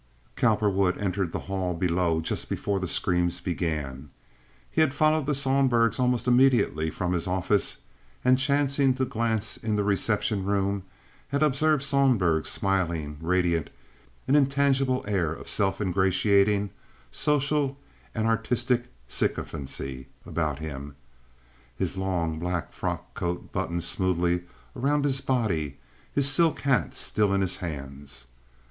Cowperwood entered the hall below just before the screams began. He had followed the Sohlbergs almost immediately from his office, and, chancing to glance in the reception room, he had observed Sohlberg smiling, radiant, an intangible air of self ingratiating, social, and artistic sycophancy about him, his long black frock coat buttoned smoothly around his body, his silk hat still in his hands.